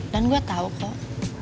dan gue tau kok